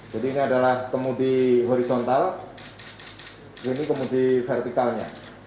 jadi ini adalah kemudian horizontal ini kemudian vertikalnya